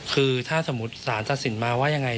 คือถ้าสมมุติสารตัดสินมาว่ายังไง